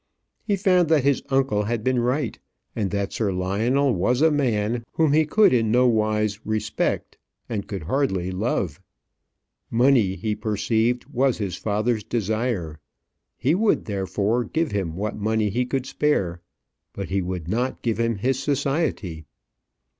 He found that his uncle had been right, and that Sir Lionel was a man whom he could in no wise respect, and could hardly love. Money he perceived was his father's desire. He would therefore give him what money he could spare; but he would not give him his society.